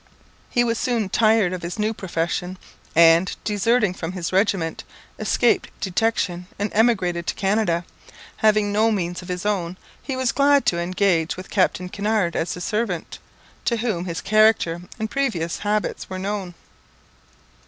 He was soon tired of his new profession, and, deserting from his regiment, escaped detection, and emigrated to Canada. Having no means of his own, he was glad to engage with Captain Kinnaird as his servant, to whom his character and previous habits were unknown.